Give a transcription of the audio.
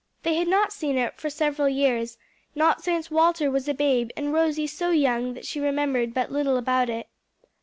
They had not seen it for several years, not since Walter was a babe and Rosie so young that she remembered but little about it.